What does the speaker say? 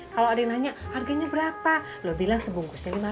kalau ada yang nanya harganya berapa lo bilang sebungkusnya